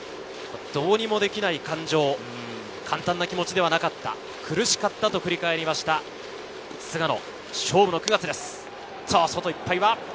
どうにもできない感情、簡単な気持ちではなかった、苦しかったと振り返った菅野。